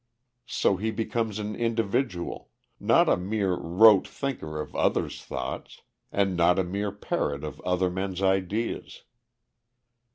So he becomes an individual; not a mere rote thinker of other's thoughts, and not a mere parrot of other men's ideas.